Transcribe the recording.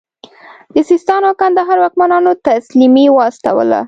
د سیستان او کندهار واکمنانو تسلیمي واستوله.